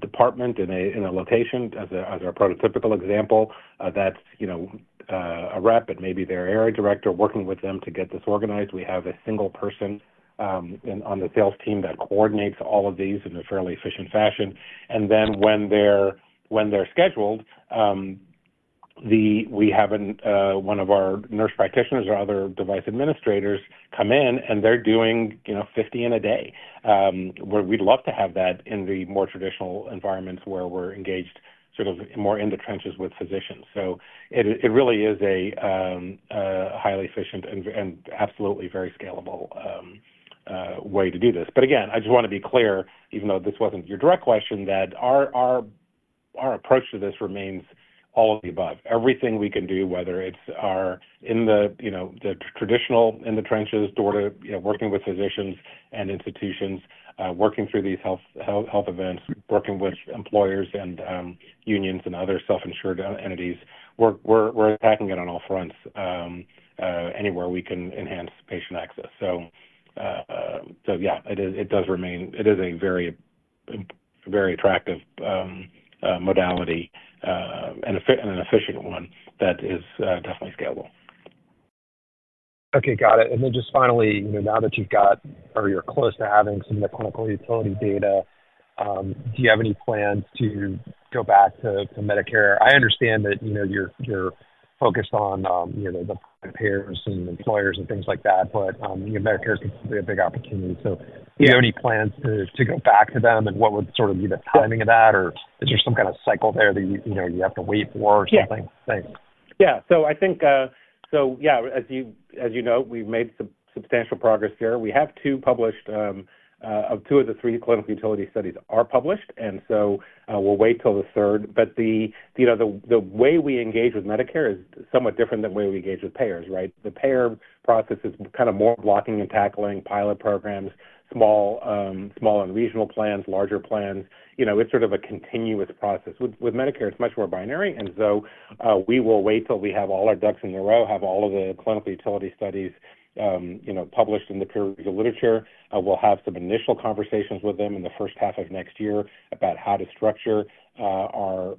department in a location as a prototypical example. That's, you know, a rep, but maybe their area director working with them to get this organized. We have a single person on the sales team that coordinates all of these in a fairly efficient fashion. And then when they're scheduled, we have one of our nurse practitioners or other device administrators come in, and they're doing, you know, 50 in a day. We'd love to have that in the more traditional environments where we're engaged, sort of more in the trenches with physicians. So it really is a highly efficient and absolutely very scalable way to do this. But again, I just want to be clear, even though this wasn't your direct question, that our approach to this remains all of the above. Everything we can do, whether it's our, you know, the traditional in the trenches door to, you know, working with physicians and institutions, working through these health events, working with employers and unions and other self-insured entities, we're attacking it on all fronts, anywhere we can enhance patient access. So yeah, it does remain a very attractive modality, and an efficient one that is definitely scalable. Okay, got it. And then just finally, you know, now that you've got or you're close to having some of the clinical utility data, do you have any plans to go back to Medicare? I understand that, you know, you're focused on, you know, the payers and employers and things like that, but, you know, Medicare is a big opportunity. So do you have any plans to go back to them, and what would sort of be the timing of that? Or is there some kind of cycle there that you know you have to wait for or something? Thanks. Yeah. So I think so, yeah, as you, as you know, we've made substantial progress here. We have two published of two of the three clinical utility studies are published, and so we'll wait till the third. But, you know, the way we engage with Medicare is somewhat different than the way we engage with payers, right? The payer process is kind of more blocking and tackling pilot programs, small and regional plans, larger plans. You know, it's sort of a continuous process. With Medicare, it's much more binary. And so we will wait till we have all our ducks in a row, have all of the clinical utility studies, you know, published in the peer-reviewed literature. We'll have some initial conversations with them in the first half of next year about how to structure our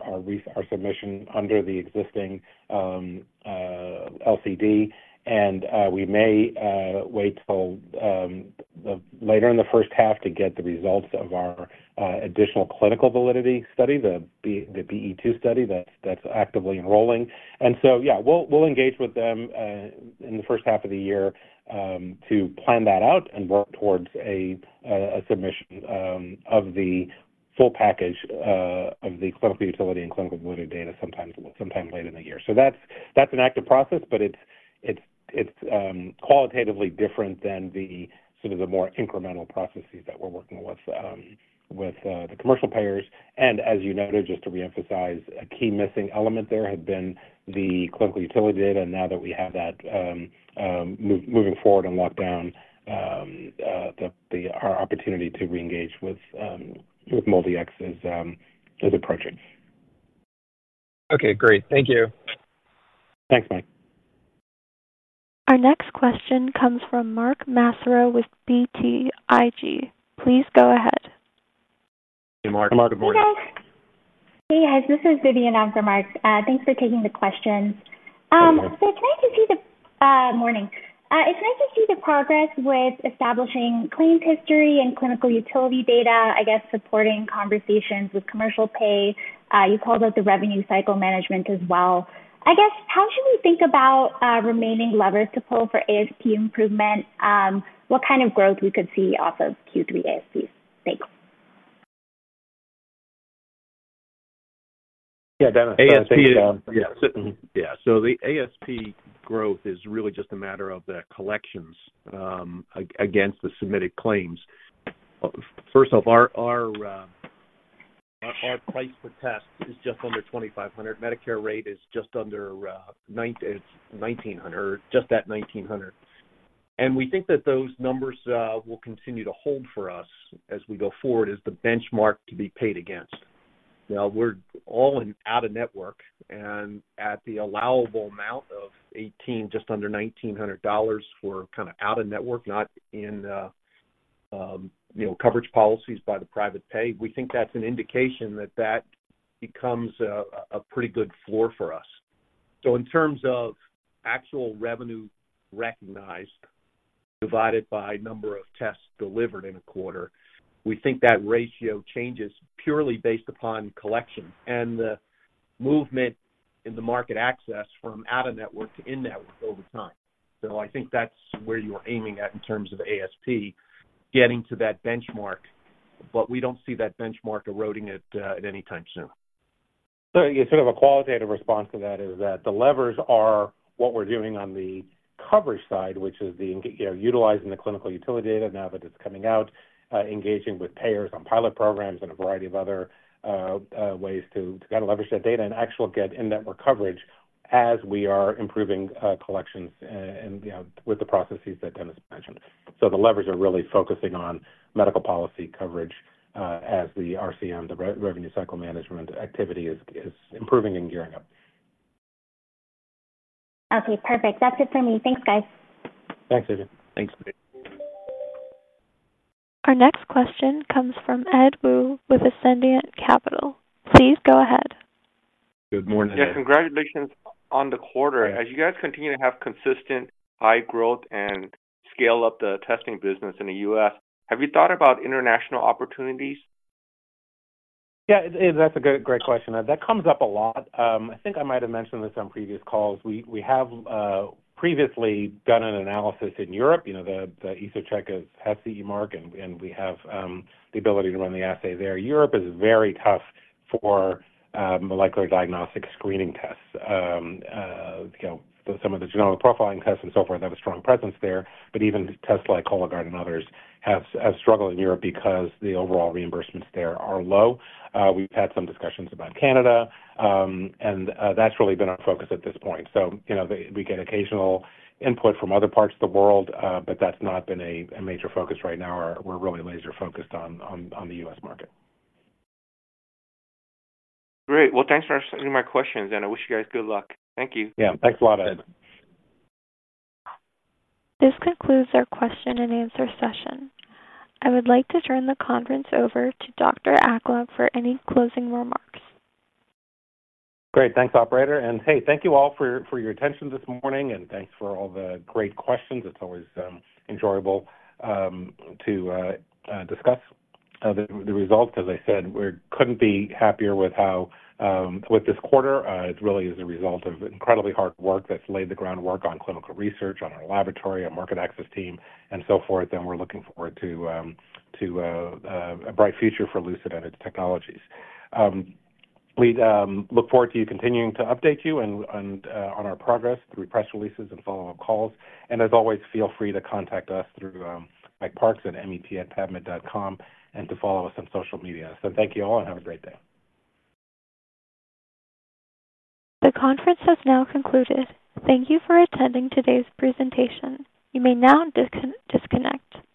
submission under the existing LCD. And we may wait till later in the first half to get the results of our additional clinical validity study, the BE, the BE-2 study that's actively enrolling. And so, yeah, we'll engage with them in the first half of the year to plan that out and work towards a submission of the full package of the clinical utility and clinical validity data sometime late in the year. So that's an active process, but it's qualitatively different than the sort of the more incremental processes that we're working with with the commercial payers. And as you noted, just to reemphasize, a key missing element there had been the clinical utility data, and now that we have that, moving forward and locked down, our opportunity to reengage with MolDX is approaching. Okay, great. Thank you. Thanks, Mike. Our next question comes from Mark Massaro with BTIG. Please go ahead. Hey, Mark. Good morning. Hey, guys. Hey, guys, this is Vivian in for Mark. Thanks for taking the questions. Hi, Vivian. Morning. It's nice to see the progress with establishing claim history and clinical utility data, I guess, supporting conversations with commercial pay. You called out the revenue cycle management as well. I guess, how should we think about remaining levers to pull for ASP improvement? What kind of growth we could see off of Q3 ASPs? Thanks. Yeah, Dennis. ASP, yeah. Yeah, so the ASP growth is really just a matter of the collections, against the submitted claims. First off, our price per test is just under $2,500. Medicare rate is just under 1,900, just at 1,900. And we think that those numbers will continue to hold for us as we go forward as the benchmark to be paid against. Now, we're all in out-of-network and at the allowable amount of $1,800, just under $1,900 for kind of out-of-network, not in, you know, coverage policies by the private pay. We think that's an indication that that becomes a pretty good floor for us. So in terms of actual revenue recognized, divided by number of tests delivered in a quarter, we think that ratio changes purely based upon collection and the movement in the market access from out-of-network to in-network over time. So I think that's where you're aiming at in terms of ASP, getting to that benchmark, but we don't see that benchmark eroding at any time soon. So sort of a qualitative response to that is that the levers are what we're doing on the coverage side, which is the, you know, utilizing the clinical utility data now that it's coming out, engaging with payers on pilot programs and a variety of other ways to kind of leverage that data and actually get in-network coverage as we are improving collections and, you know, with the processes that Dennis mentioned. So the levers are really focusing on medical policy coverage, as the RCM, the revenue cycle management activity is improving and gearing up. Okay, perfect. That's it for me. Thanks, guys. Thanks, Vivian. Thanks, Vivian. Our next question comes from Ed Woo with Ascendiant Capital. Please go ahead. Good morning, Ed. Yeah, congratulations on the quarter. As you guys continue to have consistent high growth and scale up the testing business in the U.S., have you thought about international opportunities? Yeah, Ed, that's a good, great question. That comes up a lot. I think I might have mentioned this on previous calls. We have previously done an analysis in Europe, you know, the EsoCheck has CE mark, and we have the ability to run the assay there. Europe is very tough for molecular diagnostic screening tests. You know, some of the genomic profiling tests and so forth have a strong presence there, but even tests like Cologuard and others have struggled in Europe because the overall reimbursements there are low. We've had some discussions about Canada, and that's really been our focus at this point. So, you know, we get occasional input from other parts of the world, but that's not been a major focus right now. We're really laser focused on the U.S. market. Great. Well, thanks for answering my questions, and I wish you guys good luck. Thank you. Yeah. Thanks a lot, Ed. This concludes our question and answer session. I would like to turn the conference over to Dr. Aklog for any closing remarks. Great. Thanks, operator. Hey, thank you all for your attention this morning, and thanks for all the great questions. It's always enjoyable to discuss the results. As I said, we couldn't be happier with how this quarter went. It really is a result of incredibly hard work that's laid the groundwork on clinical research, on our laboratory, on market access team, and so forth. We're looking forward to a bright future for Lucid and its technologies. We look forward to continuing to update you and on our progress through press releases and follow-up calls. As always, feel free to contact us through Mike Parks at mep@pavmed.com and to follow us on social media. So thank you all, and have a great day. The conference has now concluded. Thank you for attending today's presentation. You may now disconnect.